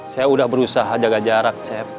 saya udah berusaha jaga jarak cep